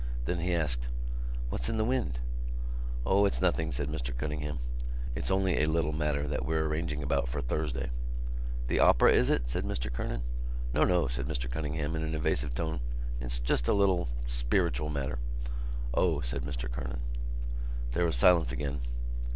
Then he asked: "What's in the wind?" "O, it's nothing," said Mr Cunningham. "It's only a little matter that we're arranging about for Thursday." "The opera, is it?" said Mr Kernan. "No, no," said Mr Cunningham in an evasive tone, "it's just a little ... spiritual matter." "O," said Mr Kernan. There was silence again.